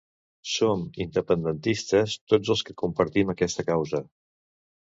Som independentistes tots els que compartim aquesta causa.